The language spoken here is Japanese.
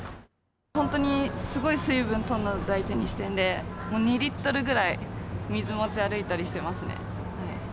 本当にすごい水分とるの大事にしているので、２リットルぐらい、水を持ち歩いたりしてますね。